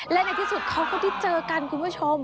และในที่สุดเขาก็ได้เจอกันคุณผู้ชม